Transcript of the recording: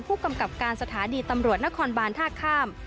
ผู้กำกับการสถานีตำรวจนครบานท่าข้าม